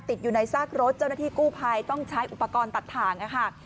ติดอยู่ในซากรถเจ้าหน้าที่กู้ภัยต้องใช้อุปกรณ์ตัดทางค่ะ